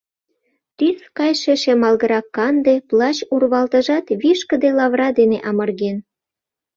Тӱс кайше шемалгырак-канде плащ урвалтыжат вишкыде лавра дене амырген.